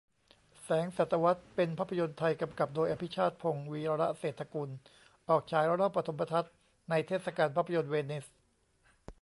แสงศตวรรษเป็นภาพยนตร์ไทย กำกับโดย อภิชาติพงศ์ วีระเศรษฐกุล ออกฉายรอบปฐมทัศน์ในเทศกาลภาพยนตร์เวนิส